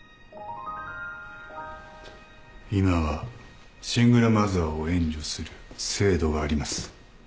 今はシングルマザーを援助する制度があります。